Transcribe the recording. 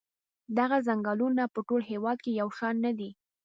دغه څنګلونه په ټول هېواد کې یو شان نه دي.